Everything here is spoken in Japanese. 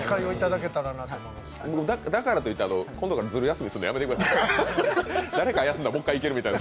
だからといって、今度からずる休みするのやめてください。